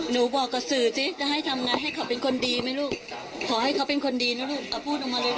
บอกกับสื่อสิจะให้ทำไงให้เขาเป็นคนดีไหมลูกขอให้เขาเป็นคนดีนะลูกเอาพูดออกมาเลย